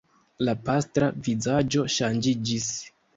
La pastra vizaĝo ŝanĝiĝis.